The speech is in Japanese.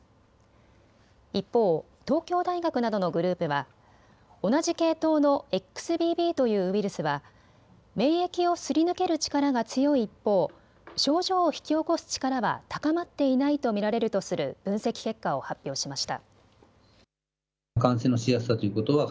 一方、東京大学などのグループは同じ系統のＸＢＢというウイルスは免疫をすり抜ける力が強い一方、症状を引き起こす力は高まっていないと見られるとする分析結果を発表しました。